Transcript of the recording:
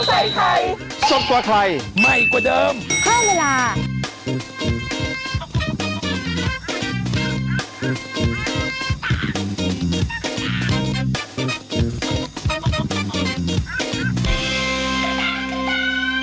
ถ้ารักมีคลิปต่อมือให้รัดที่สวัสดี